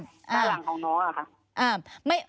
ด้านหลังของน้องอะค่ะ